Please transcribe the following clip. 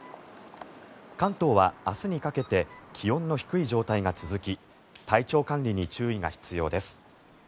関東は明日にかけて気温の低い状態が続き体調管理に注意が必要です。